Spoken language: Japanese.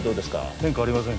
変化ありません